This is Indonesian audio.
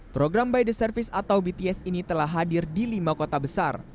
program by the service atau bts ini telah hadir di lima kota besar